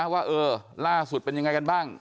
ว่าเออล่าสุดเป็นยังไงกันบ้าง